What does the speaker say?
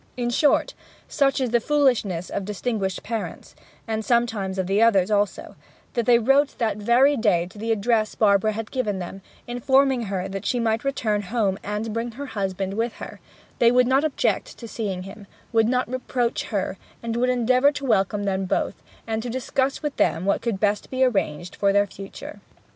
In short, such is the foolishness of distinguished parents, and sometimes of others also, that they wrote that very day to the address Barbara had given them, informing her that she might return home and bring her husband with her; they would not object to see him, would not reproach her, and would endeavour to welcome both, and to discuss with them what could best be arranged for their future.